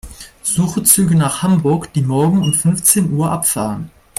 Suche Züge nach Hamburg, die morgen um fünfzehn Uhr abfahren.